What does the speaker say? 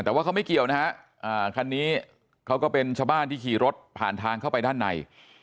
แต่ว่าเขาไม่เกี่ยวนะฮะคันนี้เขาก็เป็นชาวบ้านที่ขี่รถผ่านทางเข้าไปด้านใน